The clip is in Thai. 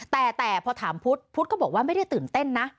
แต่พอถามพุทธพุทธก็บอกว่าไม่ได้ตื่นเต้นนะ